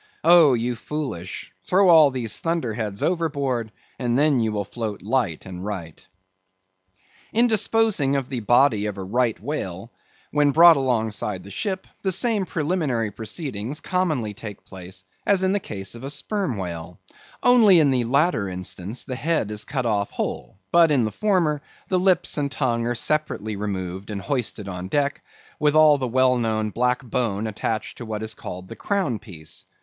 Oh, ye foolish! throw all these thunder heads overboard, and then you will float light and right. In disposing of the body of a right whale, when brought alongside the ship, the same preliminary proceedings commonly take place as in the case of a sperm whale; only, in the latter instance, the head is cut off whole, but in the former the lips and tongue are separately removed and hoisted on deck, with all the well known black bone attached to what is called the crown piece.